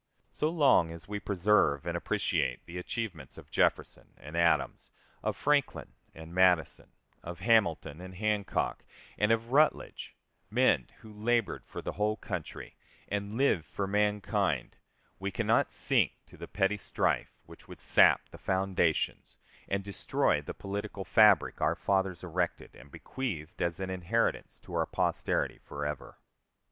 So long as we preserve and appreciate the achievements of Jefferson and Adams, of Franklin and Madison, of Hamilton, of Hancock, and of Rutledge, men who labored for the whole country, and lived for mankind, we can not sink to the petty strife which would sap the foundations and destroy the political fabric our fathers erected and bequeathed as an inheritance to our posterity for ever.